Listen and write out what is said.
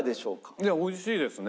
いや美味しいですね。